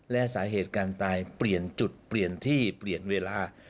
และสาเหตุการตายเปลี่ยนจุดเปลี่ยนที่เปลี่ยนเวลา